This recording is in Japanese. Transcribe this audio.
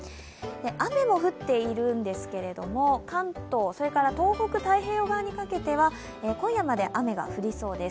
雨も降っているんですけれども、関東、東北太平洋側にかけては今夜まで雨が降りそうです。